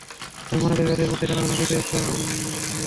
আমি মনে হয় ওদের মধ্যে, তাড়াতাড়ি কিছু একটা হয়ে যাবে।